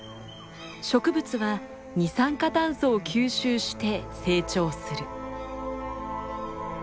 植物は二酸化炭素を吸収して成長する。